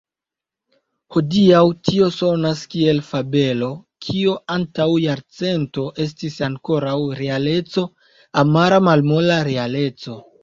Hodiaŭ tio sonas kiel fabelo, kio antaŭ jarcento estis ankoraŭ realeco, amara malmola realeco.